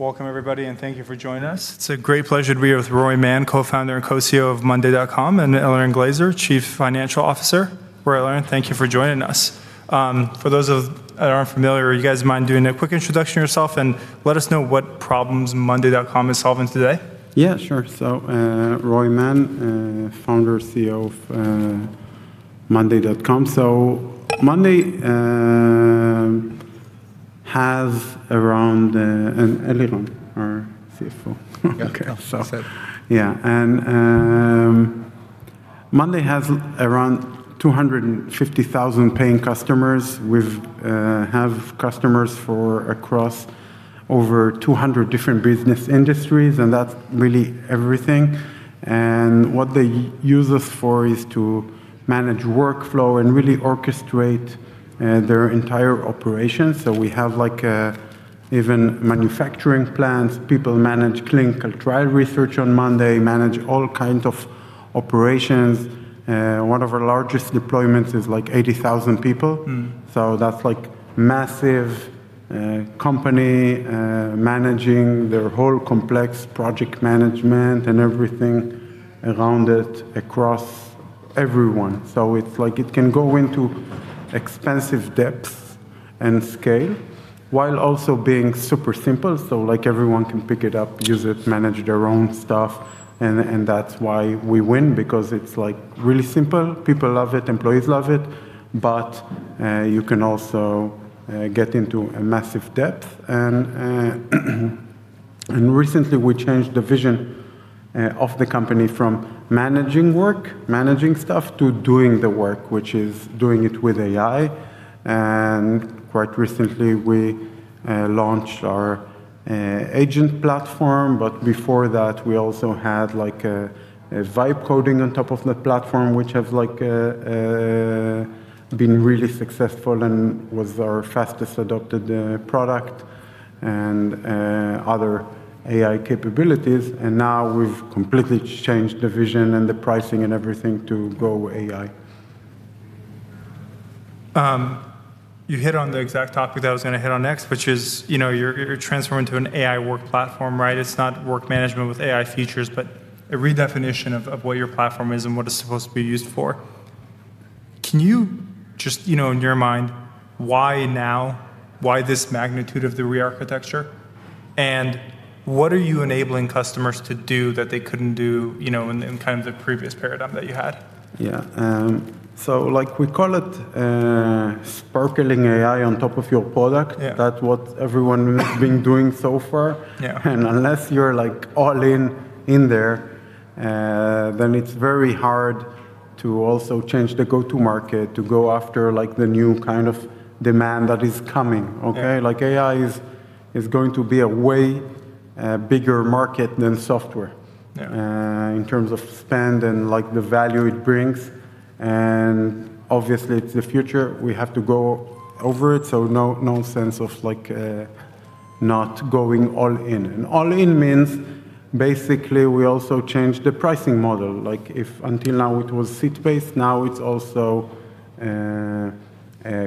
Welcome everybody. Thank you for joining us. It's a great pleasure to be here with Roy Mann, co-founder and Co-CEO of monday.com, and Eliran Glazer, chief financial officer. Roy, Eliran, thank you for joining us. For those that aren't familiar, you guys mind doing a quick introduction of yourselves and let us know what problems monday.com is solving today? Yeah, sure. Roy Mann, founder, CEO of monday.com. monday has around Eliran Glazer, our CFO. Yeah. Okay. I said. Yeah. monday.com has around 250,000 paying customers. We have customers across over 200 different business industries, that's really everything. What they use us for is to manage workflow and really orchestrate their entire operation. We have like even manufacturing plants. People manage clinical trial research on monday.com, manage all kinds of operations. One of our largest deployments is like 80,000 people. That's like massive company managing their whole complex project management and everything around it across everyone. It's like it can go into expansive depths and scale while also being super simple. Like everyone can pick it up, use it, manage their own stuff and that's why we win because it's like really simple. People love it, employees love it, you can also get into a massive depth. Recently we changed the vision of the company from managing work, managing stuff, to doing the work, which is doing it with AI. Quite recently we launched our agent platform. Before that we also had like a vibe coding on top of that platform which has like been really successful and was our fastest adopted product and other AI capabilities. Now we've completely changed the vision and the pricing and everything to go AI. You hit on the exact topic that I was gonna hit on next, which is, you know, you're transforming to an AI work platform, right? It's not work management with AI features, but a redefinition of what your platform is and what it's supposed to be used for. Can you just, you know, in your mind, why now? Why this magnitude of the re-architecture? What are you enabling customers to do that they couldn't do, you know, in kind of the previous paradigm that you had? Yeah. like we call it, sparkling AI on top of your product. Yeah. That what everyone has been doing so far. Yeah. Unless you're like all in in there, then it's very hard to also change the go-to market to go after like the new kind of demand that is coming. Okay? Yeah. Like AI is going to be a way bigger market than software-. Yeah In terms of spend and like the value it brings. Obviously it's the future. We have to go over it, so no sense of like, not going all in. All in means basically we also change the pricing model. Like if until now it was seat-based, now it's also,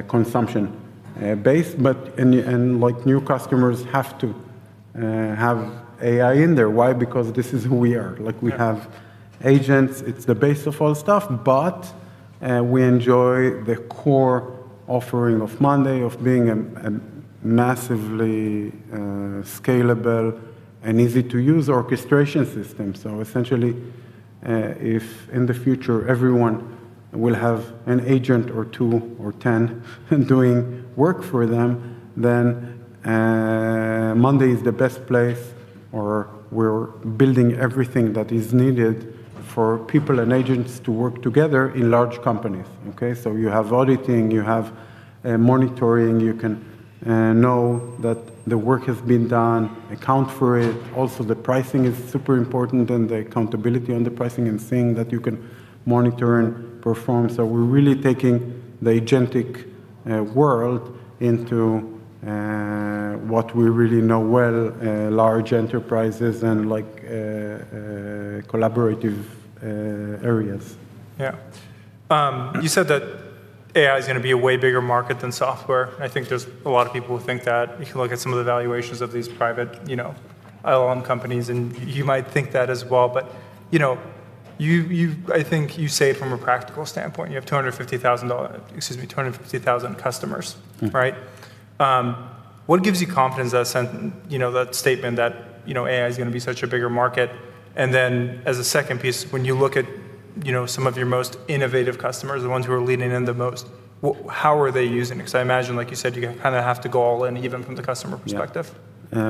consumption, based, but, and like new customers have to, have AI in there. Why? Because this is who we are. Yeah. Like, we have agents, it's the base of all stuff, but we enjoy the core offering of monday, of being a massively scalable and easy-to-use orchestration system. Essentially, if in the future everyone will have an agent or two or ten doing work for them, then monday is the best place, or we're building everything that is needed for people and agents to work together in large companies. Okay. You have auditing, you have monitoring, you can know that the work has been done, account for it. Also, the pricing is super important, and the accountability and the pricing, and seeing that you can monitor and perform. We're really taking the agentic world into what we really know well, large enterprises and like collaborative areas. Yeah. You said that AI is gonna be a way bigger market than software. I think there's a lot of people who think that. If you look at some of the valuations of these private, you know, LLM companies, and you might think that as well. You know, you I think you say it from a practical standpoint. You have 250,000 customers, right? What gives you confidence that, you know, that statement that, you know, AI is gonna be such a bigger market? As a second piece, when you look at, you know, some of your most innovative customers, the ones who are leaning in the most, how are they using it? 'Cause I imagine, like you said, you kinda have to go all in even from the customer perspective. Yeah.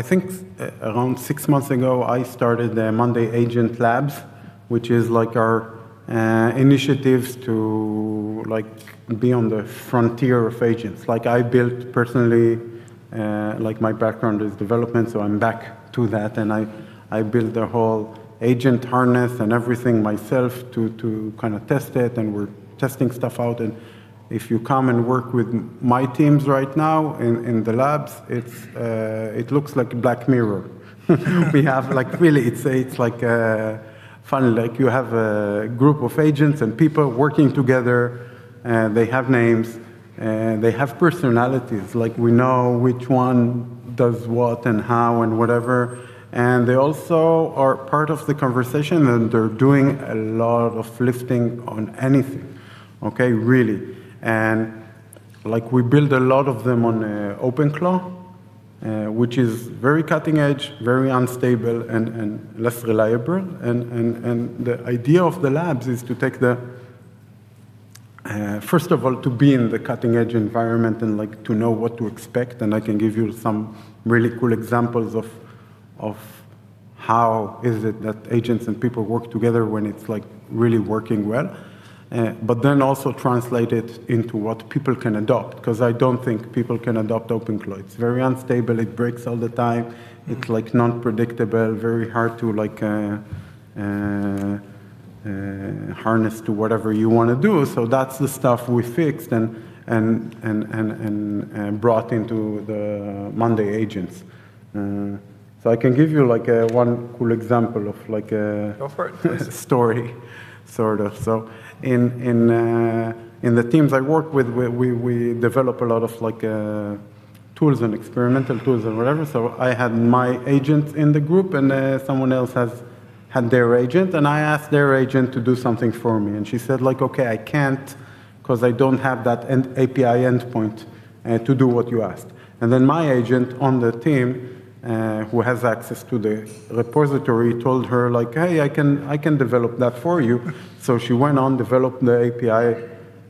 I think around six months ago I started the monday agent labs, which is like our initiatives to like be on the frontier of agents. Like I built personally, like my background is development, so I'm back to that and I build the whole agent harness and everything myself to kind of test it and we're testing stuff out and if you come and work with my teams right now in the labs, it's, it looks like a Black Mirror. We have like Really it's a, it's like funny. Like you have a group of agents and people working together. They have names, they have personalities. Like we know which one does what and how and whatever. They also are part of the conversation and they're doing a lot of lifting on anything. Okay. Really. We build a lot of them on OpenClaw, which is very cutting edge, very unstable, and less reliable. The idea of the labs is to take the, first of all, to be in the cutting edge environment and to know what to expect. I can give you some really cool examples of how is it that agents and people work together when it's really working well. Also translate it into what people can adopt, 'cause I don't think people can adopt OpenClaw. It's very unstable. It breaks all the time. It's non-predictable, very hard to harness to whatever you wanna do. That's the stuff we fixed and brought into the monday agents. I can give you, like, 1 cool example of, like. Go for it, please. A story, sort of. In the teams I work with, we develop a lot of tools and experimental tools or whatever. I had my agent in the group, and someone else has had their agent, and I asked their agent to do something for me. She said, "Okay, I can't, 'cause I don't have that end, API endpoint, to do what you asked." My agent on the team, who has access to the repository, told her, "Hey, I can develop that for you." She went on, developed the API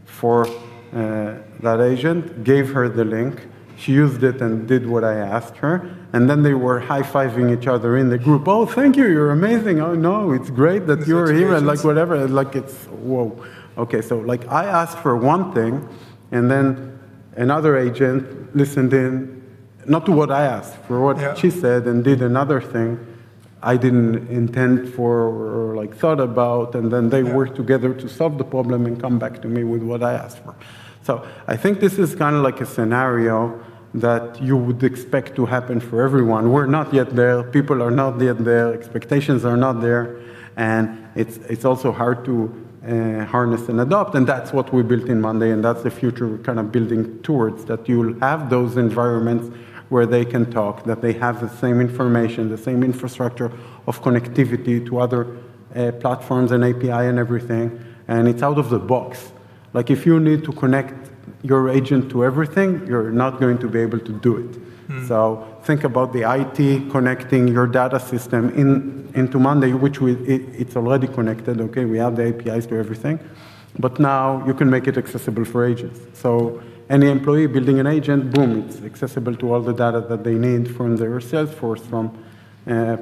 for that agent, gave her the link. She used it and did what I asked her, and then they were high-fiving each other in the group. "Oh, thank you. You're amazing. Oh, no, it's great that you were here," and, like, whatever. These situations. Like, it's whoa. Okay, like, I asked for one thing, and then another agent listened in, not to what I asked. Yeah She said, and did another thing I didn't intend for or, like, thought about. Yeah Worked together to solve the problem and come back to me with what I asked for. I think this is kind of like a scenario that you would expect to happen for everyone. We're not yet there. People are not yet there. Expectations are not there, and it's also hard to harness and adopt, and that's what we built in Monday, and that's the future we're kind of building towards, That you'll have those environments where they can talk, that they have the same information, the same infrastructure of connectivity to other platforms and API and everything, and it's out of the box. Like, if you need to connect your agent to everything, you're not going to be able to do it. Think about the IT connecting your data system in, into monday.com, which we, it's already connected. We have the APIs to everything. Now you can make it accessible for agents. Any employee building an agent, boom, it's accessible to all the data that they need from their Salesforce, from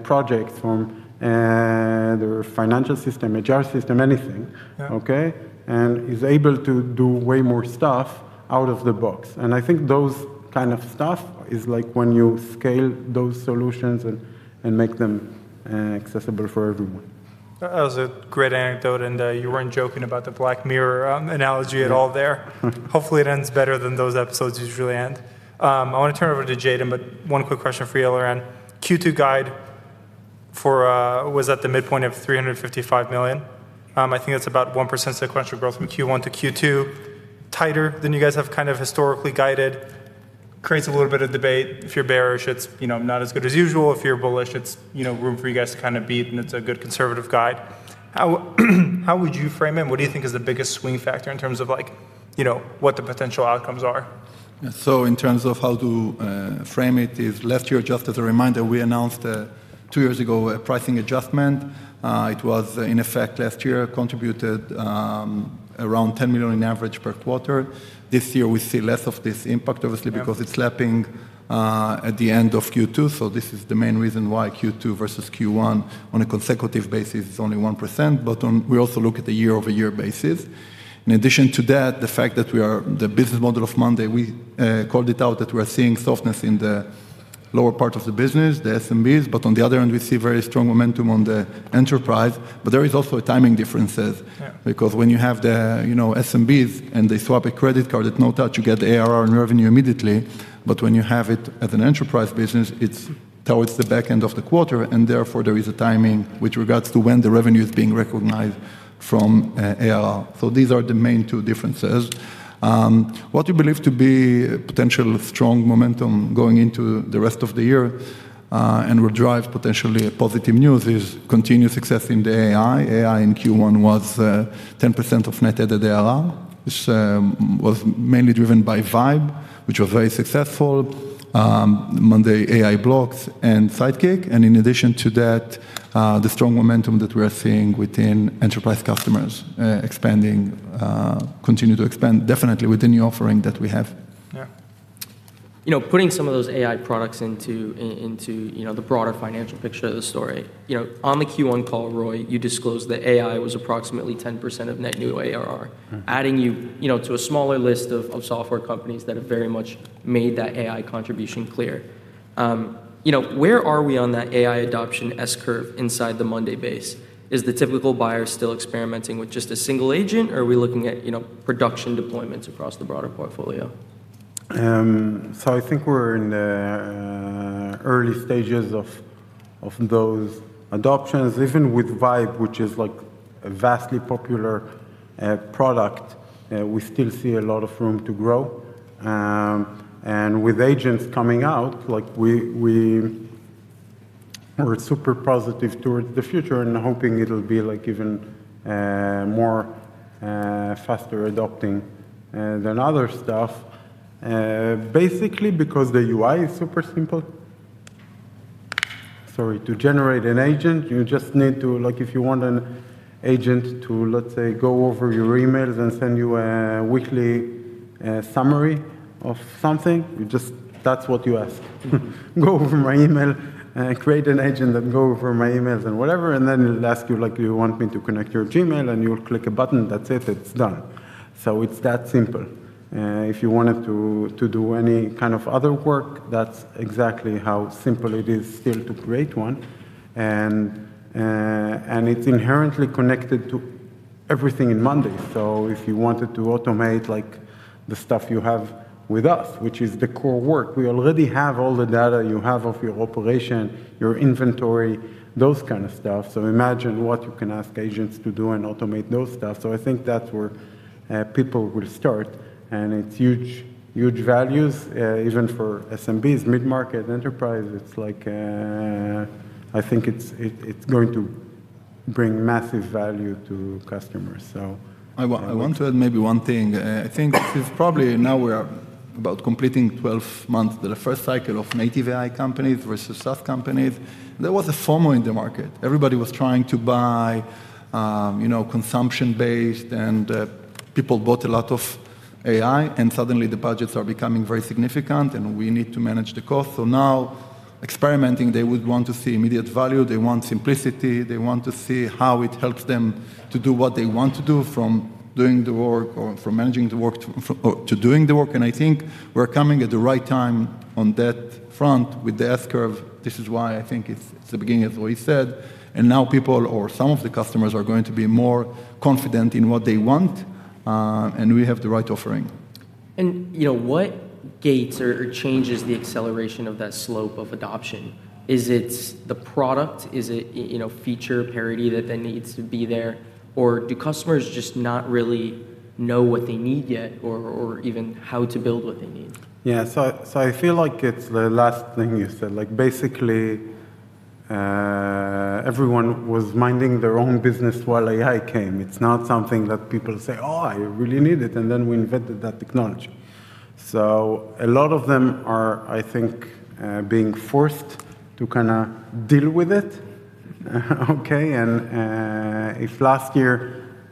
projects, from their financial system, HR system, anything. Yeah. Okay? It is able to do way more stuff out of the box, and I think those kind of stuff is, like, when you scale those solutions and make them accessible for everyone. That was a great anecdote, and you weren't joking about the Black Mirror analogy at all there. No. Hopefully it ends better than those episodes usually end. I wanna turn it over to Jayden, but one quick question for you, Eliran Glazer. Q2 guide for, was at the midpoint of $355 million. I think that's about 1% sequential growth from Q1 to Q2. Tighter than you guys have kind of historically guided. Creates a little bit of debate. If you're bearish, it's, you know, not as good as usual. If you're bullish, it's, you know, room for you guys to kind of beat, and it's a good conservative guide. How would you frame it? What do you think is the biggest swing factor in terms of, like, you know, what the potential outcomes are? In terms of how to frame it is last year, just as a reminder, we announced two years ago a pricing adjustment. It was in effect last year, contributed around $10 million average per quarter. This year, we see less of this impact, obviously. Yeah Because it's lapping at the end of Q2, so this is the main reason why Q2 versus Q1 on a consecutive basis is only 1%. On, we also look at the year-over-year basis. In addition to that, the fact that we are, the business model of monday.com, we called it out that we're seeing softness in the lower part of the business, the SMBs. On the other end, we see very strong momentum on the enterprise. There is also timing differences. Yeah. When you have the, you know, SMBs and they swap a credit card at no touch, you get the ARR and revenue immediately. When you have it as an enterprise business, it's towards the back end of the quarter, and therefore, there is a timing with regards to when the revenue is being recognized from ARR. These are the main two differences. What we believe to be potential strong momentum going into the rest of the year, and will drive potentially a positive news is continued success in the AI. AI in Q1 was 10% of net added ARR, which was mainly driven by Vibe, which was very successful, monday AI blocks and Sidekick. In addition to that, the strong momentum that we're seeing within enterprise customers, expanding, continue to expand definitely with the new offering that we have. Yeah. You know, putting some of those AI products into, you know, the broader financial picture of the story, you know, on the Q1 call, Roy, you disclosed that AI was approximately 10% of net new ARR. Adding you know, to a smaller list of software companies that have very much made that AI contribution clear. You know, where are we on that AI adoption S-curve inside the monday base? Is the typical buyer still experimenting with just a single agent, or are we looking at, you know, production deployments across the broader portfolio? I think we're in the early stages of those adoptions. Even with Vibe, which is, like, a vastly popular product, we still see a lot of room to grow. With agents coming out, like, We're super positive towards the future and hoping it'll be, like, even more faster adopting than other stuff. Basically because the UI is super simple. Sorry, to generate an agent, you just need to if you want an agent to, let's say, go over your emails and send you a weekly summary of something, that's what you ask. Go over my email, create an agent and go over my emails and whatever, it'll ask you, like, "Do you want me to connect your Gmail?" You'll click a button. That's it. It's done. It's that simple. If you wanted to do any kind of other work, that's exactly how simple it is still to create one. It's inherently connected to everything in monday.com. If you wanted to automate, like, the stuff you have with us, which is the core work, we already have all the data you have of your operation, your inventory, those kind of stuff. Imagine what you can ask agents to do and automate those stuff. I think that's where people will start, and it's huge values even for SMBs, mid-market enterprise. It's like, I think it's going to bring massive value to customers. I want to add maybe one thing. I think this is probably now we are about completing 12 months. The first cycle of native AI companies versus SaaS companies, there was a FOMO in the market. Everybody was trying to buy, you know, consumption-based, and people bought a lot of AI, and suddenly the budgets are becoming very significant, and we need to manage the cost. Now experimenting, they would want to see immediate value. They want simplicity. They want to see how it helps them to do what they want to do from doing the work or from managing the work to doing the work. I think we're coming at the right time on that front with the S-curve. This is why I think it's the beginning, as Roy said. Now people or some of the customers are going to be more confident in what they want, and we have the right offering. You know, what gates or changes the acceleration of that slope of adoption? Is it the product? Is it, you know, feature parity that then needs to be there? Do customers just not really know what they need yet or even how to build what they need? Yeah. I feel like it's the last thing you said. Like, basically, everyone was minding their own business while AI came. It's not something that people say, "Oh, I really need it," and then we invented that technology. A lot of them are, I think, being forced to kinda deal with it, okay? If last year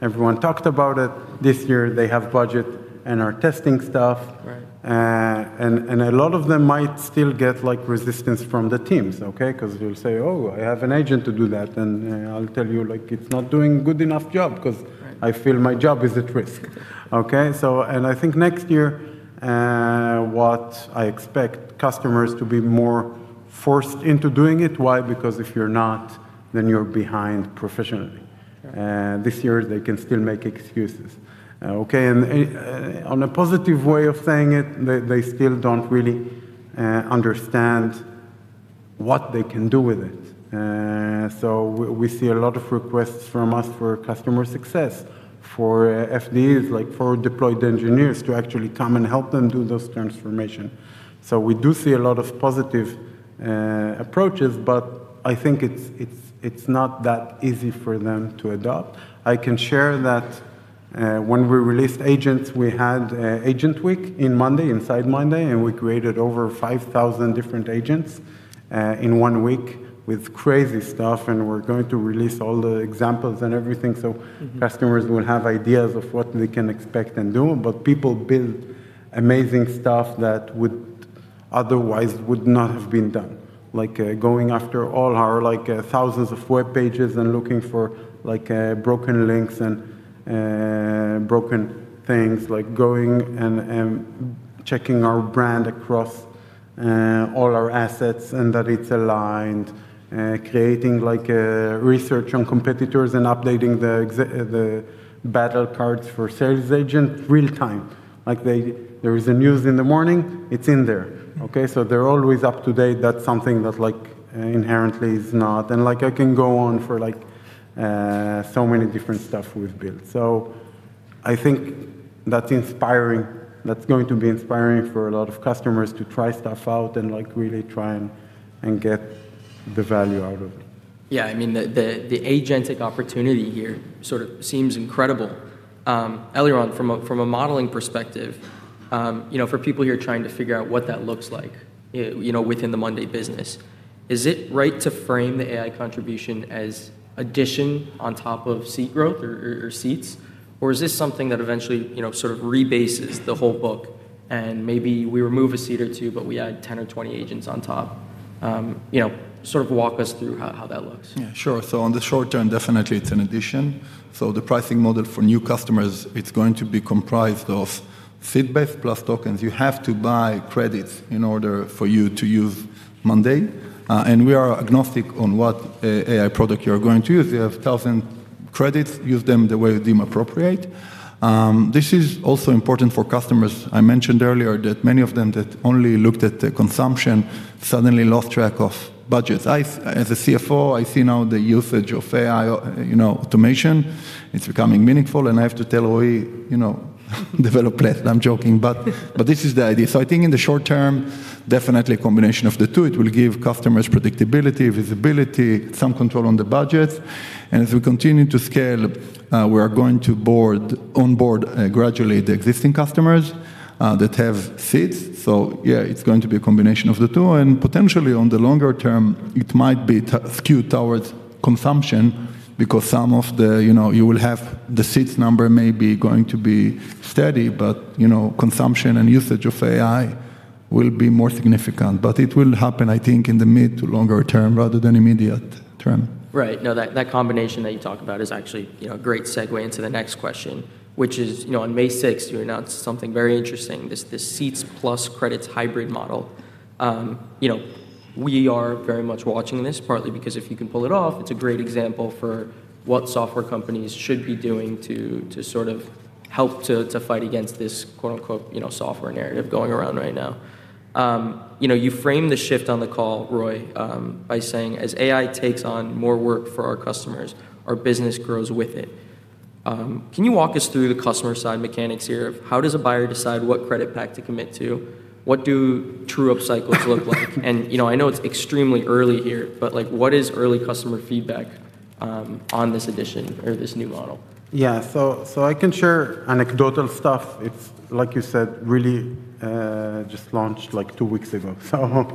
everyone talked about it, this year they have budget and are testing stuff. Right. A lot of them might still get, like, resistance from the teams, okay. They'll say, "Oh, I have an agent to do that," and I'll tell you, like, "It's not doing good enough job. Right I feel my job is at risk." Okay? I think next year, what I expect customers to be more forced into doing it. Why? If you're not, then you're behind professionally. Right. This year they can still make excuses. On a positive way of saying it, they still don't really understand what they can do with it. We see a lot of requests from us for customer success, for FDEs, like, for deployed engineers to actually come and help them do those transformation. We do see a lot of positive approaches, but I think it's not that easy for them to adopt. I can share that when we released agents, we had an agent week in monday.com, inside monday.com, and we created over 5,000 different agents in one week with crazy stuff, and we're going to release all the examples and everything. customers will have ideas of what they can expect and do. People build amazing stuff that would otherwise would not have been done. Like, going after all our, like, thousands of web pages and looking for, like, broken links and broken things. Like, going and checking our brand across all our assets and that it's aligned. Creating, like, research on competitors and updating the battle cards for sales agent real time. Like, there is a news in the morning, it's in there. Okay? They're always up to date. That's something that, like, inherently is not. Like, I can go on for, like, so many different stuff we've built. I think that's inspiring. That's going to be inspiring for a lot of customers to try stuff out and, like, really try and get the value out of it. Yeah. I mean, the, the agentic opportunity here sort of seems incredible. Eliran, from a, from a modeling perspective, you know, for people who are trying to figure out what that looks like, you know, within the monday.com business, is it right to frame the AI contribution as addition on top of seat growth or, or seats? Is this something that eventually, you know, sort of rebases the whole book, and maybe we remove one or two seats, but we add 10 or 20 agents on top? You know, sort of walk us through how that looks. Yeah, sure. On the short term, definitely it's an addition. The pricing model for new customers, it's going to be comprised of seat-based plus tokens. You have to buy credits in order for you to use Monday. We are agnostic on what AI product you are going to use. Credits, use them the way you deem appropriate. This is also important for customers. I mentioned earlier that many of them that only looked at the consumption suddenly lost track of budgets. As a CFO, I see now the usage of AI, you know, automation. It's becoming meaningful. I have to tell Roy Mann, you know, develop less. I'm joking, this is the idea. I think in the short term, definitely a combination of the two. It will give customers predictability, visibility, some control on the budgets. As we continue to scale, we are going to on board gradually the existing customers that have seats. Yeah, it's going to be a combination of the two. Potentially on the longer term, it might be skewed towards consumption because some of the, you know, you will have the seats number may be going to be steady, but, you know, consumption and usage of AI will be more significant. It will happen, I think, in the mid to longer term rather than immediate term. Right. No, that combination that you talk about is actually, you know, a great segue into the next question, which is, you know, on May 6th, you announced something very interesting, this seats plus credits hybrid model. You know, we are very much watching this partly because if you can pull it off, it's a great example for what software companies should be doing to sort of help to fight against this, quote-unquote, you know, software narrative going around right now. You know, you framed the shift on the call, Roy, by saying, "As AI takes on more work for our customers, our business grows with it." Can you walk us through the customer side mechanics here? How does a buyer decide what credit pack to commit to? What do true-up cycles look like? You know, I know it's extremely early here, but, like, what is early customer feedback on this edition or this new model? Yeah. I can share anecdotal stuff. It's, like you said, really, just launched like two weeks ago. Yep.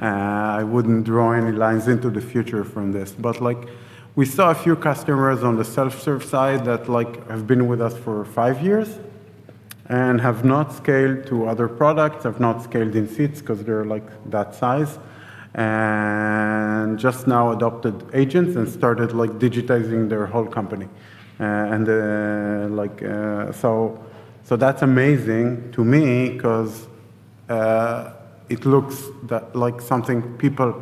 I wouldn't draw any lines into the future from this. Like, we saw a few customers on the self-serve side that, like, have been with us for five years and have not scaled to other products, have not scaled in seats 'cause they're, like, that size, and just now adopted agents and started, like, digitizing their whole company. Like, So that's amazing to me 'cause, it looks that like something people,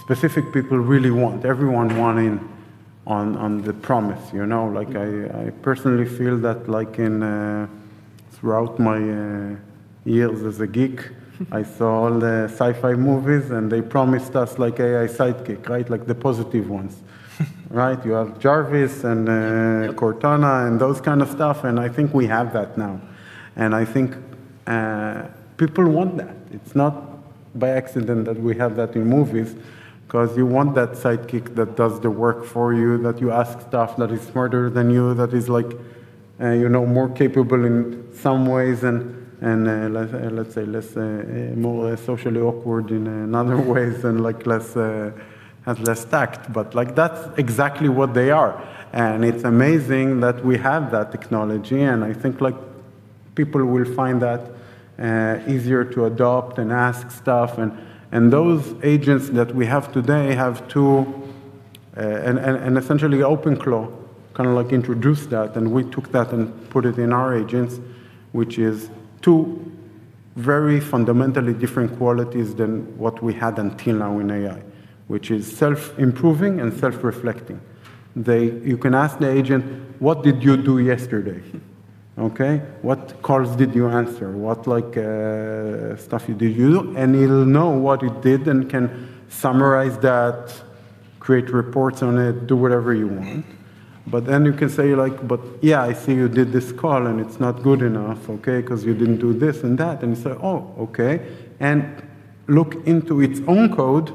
specific people really want. Everyone want in on the promise, you know? Like, I personally feel that, like in, throughout my years as a geek I saw all the sci-fi movies, and they promised us, like, AI sidekick, right? Like the positive ones. Right? You have Jarvis. Yep Cortana and those kind of stuff, and I think we have that now. I think people want that. It's not by accident that we have that in movies, 'cause you want that sidekick that does the work for you, that you ask stuff, that is smarter than you, that is like, you know, more capable in some ways and, let's say less, more socially awkward in other ways and, like, less has less tact. Like, that's exactly what they are, and it's amazing that we have that technology. I think, like, people will find that easier to adopt and ask stuff. Those agents that we have today have two, and essentially OpenClaw kind of like introduced that, and we took that and put it in our agents, which is two very fundamentally different qualities than what we had until now in AI, which is self-improving and self-reflecting. You can ask the agent, "What did you do yesterday?" Okay? "What calls did you answer? What, like, stuff did you do?" It'll know what it did and can summarize that, create reports on it, do whatever you want. You can say like, "But yeah, I see you did this call, and it's not good enough, okay? Because you didn't do this and that." It says, "Oh, okay." Look into its own code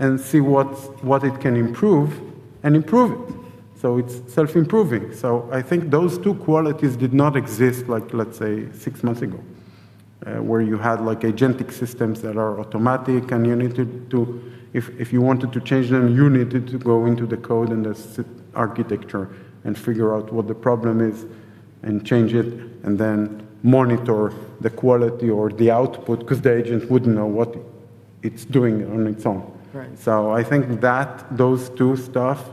and see what it can improve, and improve it. It's self-improving. I think those two qualities did not exist like, let's say, six months ago, where you had like agentic systems that are automatic and you needed to If you wanted to change them, you needed to go into the code and the architecture and figure out what the problem is and change it, and then monitor the quality or the output because the agent wouldn't know what it's doing on its own. Right. I think that those two stuff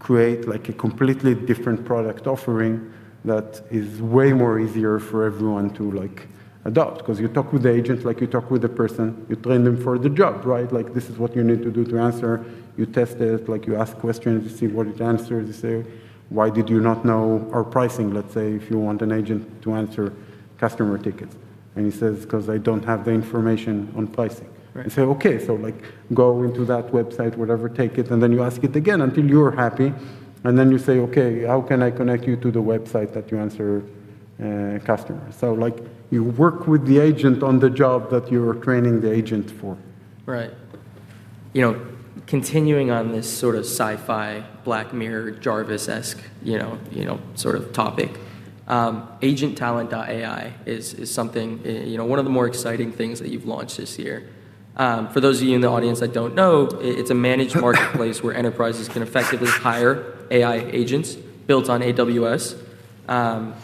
create like a completely different product offering that is way more easier for everyone to, like, adopt. You talk with the agent like you talk with a person. You train them for the job, right? Like, "This is what you need to do to answer." You test it. Like, you ask questions. You see what it answers. You say, "Why did you not know our pricing?" Let's say if you want an agent to answer customer tickets, and he says, "'Cause I don't have the information on pricing. Right. You say, "Okay. Like, go into that website, whatever, take it." Then you ask it again until you're happy, then you say, "Okay. How can I connect you to the website that you answer, customers?" Like, you work with the agent on the job that you're training the agent for. Right. You know, continuing on this sort of sci-fi, Black Mirror, Jarvis-esque, you know, sort of topic, Agentalent.ai is something, you know, one of the more exciting things that you've launched this year. For those of you in the audience that don't know, it's a managed marketplace where enterprises can effectively hire AI agents built on AWS,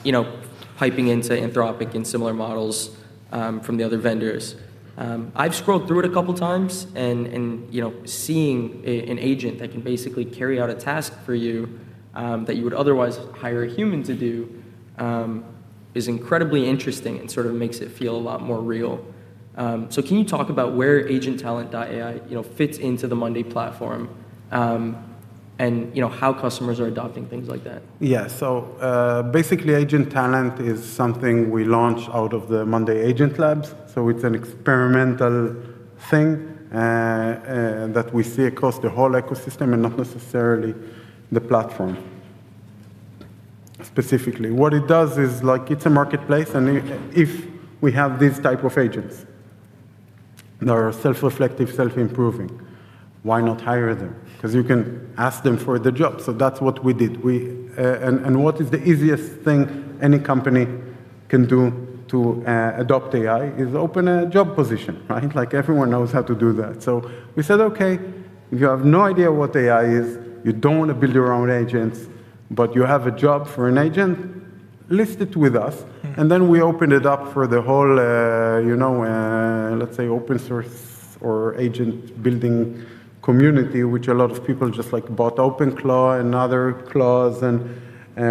you know, piping into Anthropic and similar models from the other vendors. I've scrolled through it a couple times and, you know, seeing an agent that can basically carry out a task for you, that you would otherwise hire a human to do, is incredibly interesting and sort of makes it feel a lot more real. Can you talk about where Agentalent.ai, you know, fits into the Monday platform, and, you know, how customers are adopting things like that? Yeah. Basically Agentalent.ai is something we launched out of the monday agent labs, so it's an experimental thing that we see across the whole ecosystem and not necessarily the platform specifically. What it does is, like, it's a marketplace, and if we have these type of agents that are self-reflective, self-improving, why not hire them? 'Cause you can ask them for the job. That's what we did. What is the easiest thing any company can do to adopt AI is open a job position, right? Like, everyone knows how to do that. We said, "Okay, if you have no idea what AI is, you don't want to build your own agents, but you have a job for an agent, list it with us. We opened it up for the whole, you know, let's say, open source or agent building community, which a lot of people just bought OpenClaw and other Claudes and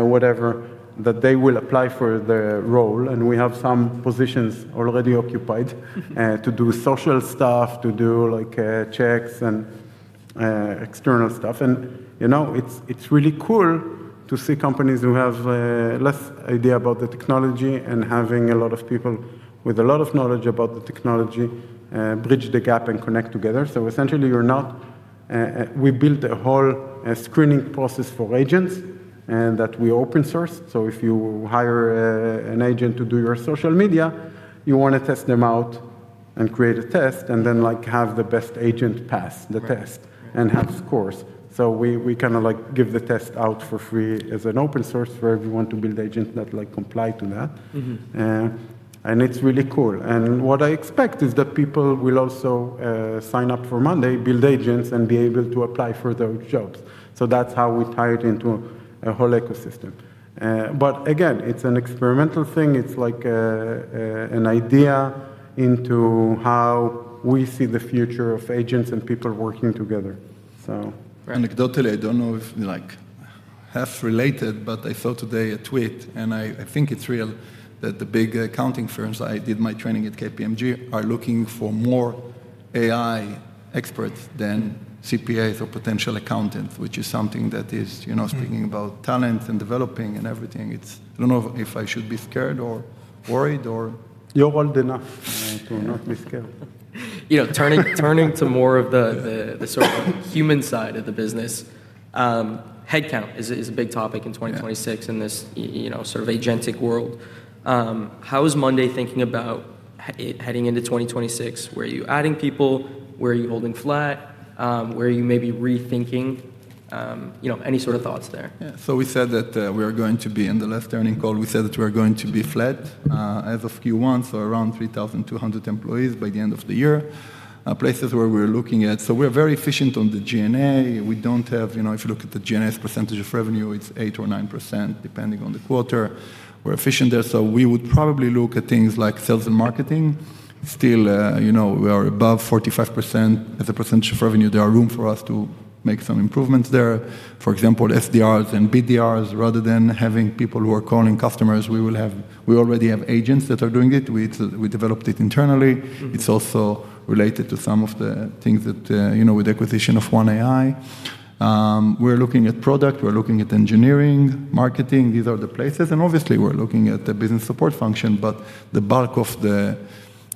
whatever, that they will apply for the role, and we have some positions already occupied to do social stuff, to do checks and external stuff. You know, it's really cool to see companies who have less idea about the technology and having a lot of people with a lot of knowledge about the technology bridge the gap and connect together. We built a whole screening process for agents that we open sourced. If you hire an agent to do your social media, you wanna test them out and create a test and then, like, have the best agent pass the test. Right. Right. Have scores. We kind of like give the test out for free as an open source for everyone to build agents that, like, comply to that. It's really cool. What I expect is that people will also sign up for Monday, build agents, and be able to apply for those jobs. That's how we tie it into a whole ecosystem. Again, it's an experimental thing. It's like an idea into how we see the future of agents and people working together. Right. Anecdotally, I don't know if, like, half related, but I saw today a tweet, and I think it's real, that the big accounting firms, I did my training at KPMG, are looking for more AI experts than CPAs or potential accountants, which is something that is, you know. Speaking about talent and developing and everything, it's I don't know if I should be scared or worried. You're old enough to not be scared. You know, turning to more of the sort of human side of the business, headcount is a big topic in 2026. Yeah In this you know, sort of agentic world. How is Monday thinking about heading into 2026? Were you adding people? Were you holding flat? Were you maybe rethinking? You know, any sort of thoughts there? Yeah. We said that, in the last earning call, we said that we are going to be flat as of Q1, so around 3,200 employees by the end of the year. Places where we're looking at. We're very efficient on the G&A. We don't have, you know, if you look at the G&A's percentage of revenue, it's 8% or 9%, depending on the quarter. We're efficient there. We would probably look at things like sales and marketing. Still, you know, we are above 45% as a percentage of revenue. There are room for us to make some improvements there. For example, SDRs and BDRs, rather than having people who are calling customers, we already have agents that are doing it. We developed it internally. It's also related to some of the things that, you know, with acquisition of One AI. We're looking at product. We're looking at engineering, marketing. These are the places, and obviously we're looking at the business support function, but the bulk of the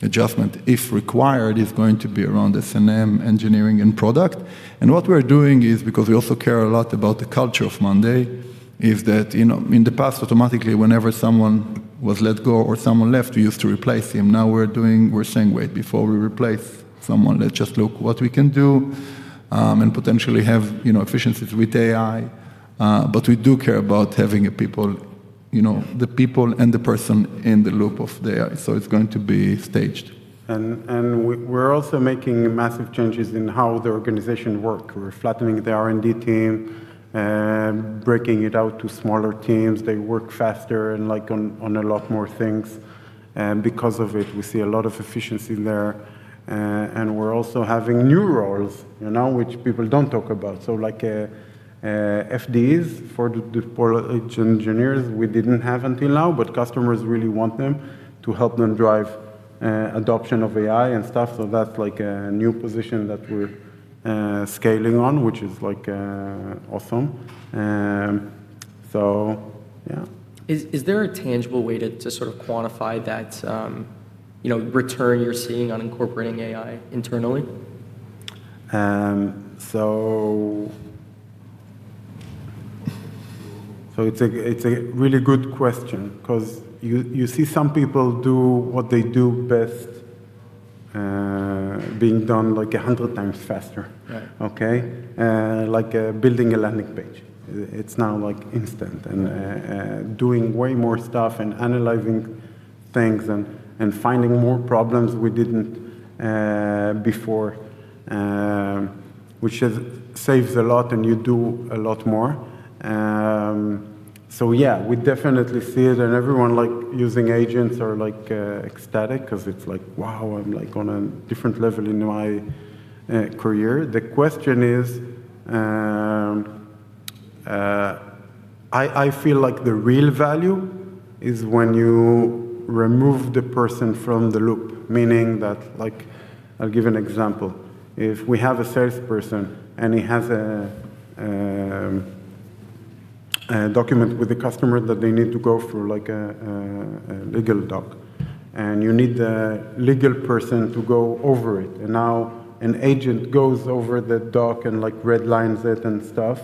adjustment, if required, is going to be around S&M, engineering, and product. What we're doing is, because we also care a lot about the culture of monday.com, is that, you know, in the past, automatically, whenever someone was let go or someone left, we used to replace him. Now we're saying, "Wait. Before we replace someone, let's just look what we can do, and potentially have, you know, efficiencies with AI." We do care about having a people, you know. Yeah The people and the person in the loop of the AI. It's going to be staged. We're also making massive changes in how the organization work. We're flattening the R&D team, breaking it out to smaller teams. They work faster and, like, on a lot more things. Because of it, we see a lot of efficiency there. We're also having new roles, you know, which people don't talk about. Like, FDEs for each engineers, we didn't have until now, but customers really want them to help them drive adoption of AI and stuff. That's like a new position that we're scaling on, which is, like, awesome. Yeah. Is there a tangible way to sort of quantify that, you know, return you're seeing on incorporating AI internally? It's a really good question 'cause you see some people do what they do best, being done like 100x faster. Right. Okay? Like, building a landing page. It's now, like, instant. Doing way more stuff and analyzing things and finding more problems we didn't before, which has saves a lot, and you do a lot more. Yeah, we definitely see it, and everyone, like, using agents are, like, ecstatic 'cause it's like, "Wow, I'm, like, on a different level in my career." The question is, I feel like the real value is when you remove the person from the loop, meaning that, like I'll give an example. If we have a salesperson, and he has a document with the customer that they need to go through, like a legal doc, and you need the legal person to go over it. Now an agent goes over the doc and, like, red lines it and stuff.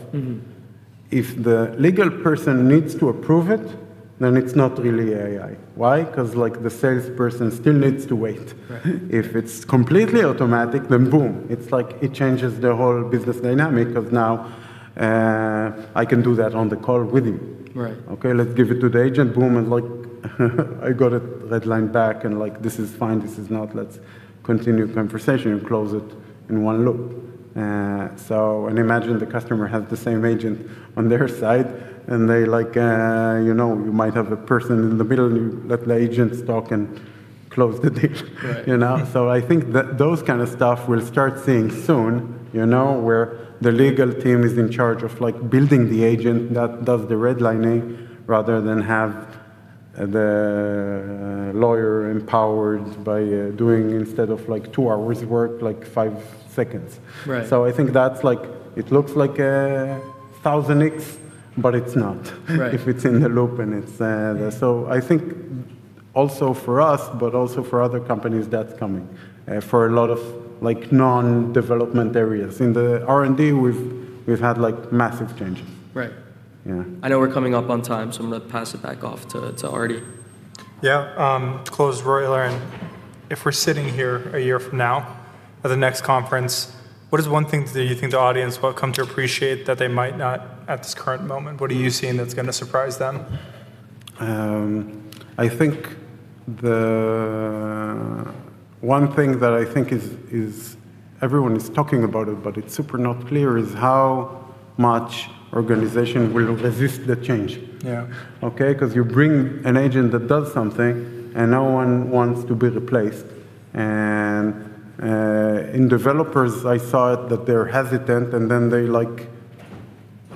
If the legal person needs to approve it, then it's not really AI. Why? 'Cause, like, the salesperson still needs to wait. Right. If it's completely automatic, then boom. It's like it changes the whole business dynamic, 'cause now, I can do that on the call with him. Right. Okay, let's give it to the agent." Boom, like I got a red line back and, like, "This is fine. This is not. Let's continue conversation and close it in one loop." Imagine the customer has the same agent on their side, and they like, you know, you might have a person in the middle, and you let the agents talk and close the deal, you know? Right. I think that those kind of stuff we'll start seeing soon, you know, where the legal team is in charge of, like, building the agent that does the redlining, rather than have the lawyer empowered by doing instead of, like, two hours work, like five seconds. Right. I think that's, like, it looks like 1,000x, but it's not. Right. If it's in the loop and it's. I think also for us, but also for other companies, that's coming for a lot of, like, non-development areas. In the R&D, we've had, like, massive changes. Right. Yeah. I know we're coming up on time, so I'm gonna pass it back off to Artie. Yeah. To close, Roy, Eliran, if we're sitting here a year from now at the next conference, what is one thing that you think the audience will have come to appreciate that they might not at this current moment? What are you seeing that's gonna surprise them? I think the one thing that I think is everyone is talking about it, but it's super not clear, is how much organization will resist the change. Yeah. Okay? 'Cause you bring an agent that does something, no one wants to be replaced. In developers, I saw it that they're hesitant, they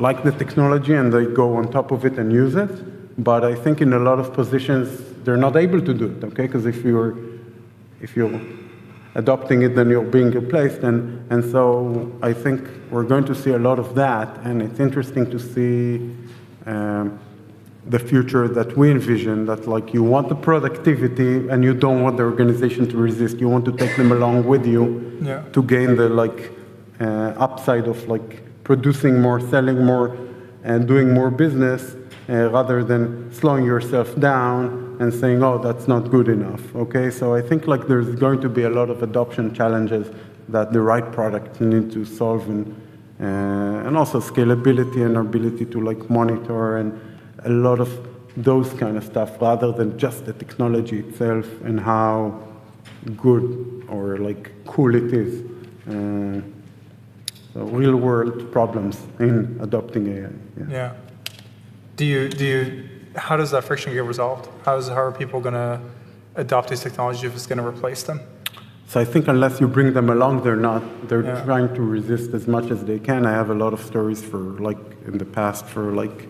like the technology, they go on top of it and use it. I think in a lot of positions, they're not able to do it, okay? 'Cause if you're adopting it, you're being replaced. I think we're going to see a lot of that, it's interesting to see the future that we envision, that, like, you want the productivity, you don't want the organization to resist. You want to take them along with you. Yeah To gain the, like, upside of, like, producing more, selling more, and doing more business, rather than slowing yourself down and saying, "Oh, that's not good enough." Okay? I think, like, there's going to be a lot of adoption challenges that the right product need to solve and also scalability and our ability to, like, monitor and a lot of those kind of stuff, rather than just the technology itself and how good or, like, cool it is. Real world problems in adopting AI. Yeah. Do you How does that friction get resolved? How are people gonna adopt this technology if it's gonna replace them? I think unless you bring them along, they're not. Yeah. They're trying to resist as much as they can. I have a lot of stories for, like, in the past for, like,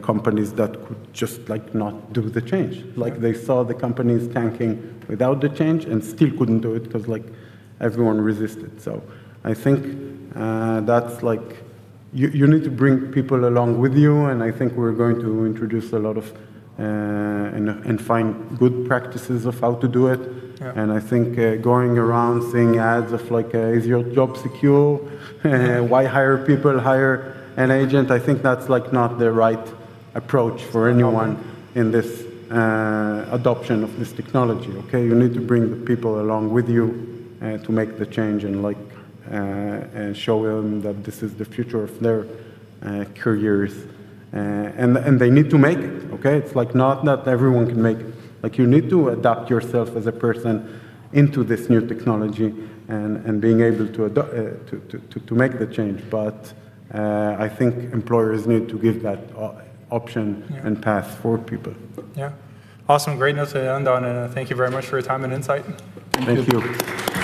companies that could just, like, not do the change. Yeah. Like, they saw the companies tanking without the change and still couldn't do it 'cause, like, everyone resisted. I think that's like You need to bring people along with you, and I think we're going to introduce a lot of and find good practices of how to do it. Yeah. I think, going around seeing ads of, like, "Is your job secure?" "Why hire people? Hire an agent." I think that's, like, not the right approach for anyone. No In this adoption of this technology, okay? You need to bring the people along with you to make the change and, like, show them that this is the future of their careers. They need to make it, okay? It's, like, not everyone can make. Like, you need to adapt yourself as a person into this new technology and being able to make the change. I think employers need to give that option. Yeah path for people. Yeah. Awesome. Great note to end on. Thank you very much for your time and insight. Thank you. Great.